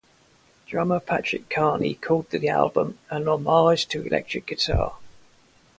Drummer Patrick Carney called the album "an homage to electric guitar".